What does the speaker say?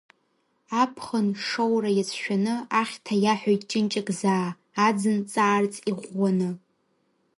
Аԥхын шоура иацәшәаны, ахьҭа иаҳәоит ҷынҷак заа, аӡын ҵаарц иӷәӷәаны.